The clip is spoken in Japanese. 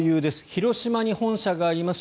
広島に本社があります